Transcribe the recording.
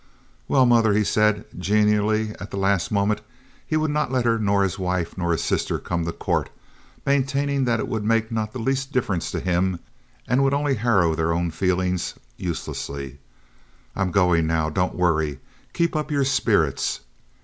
"Well, mother," he said, genially, at the last moment—he would not let her nor his wife nor his sister come to court, maintaining that it would make not the least difference to him and would only harrow their own feelings uselessly—"I'm going now. Don't worry. Keep up your spirits."